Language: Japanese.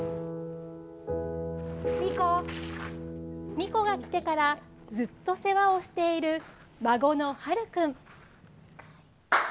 ミコが来てからずっと世話をしている孫の晴琉君。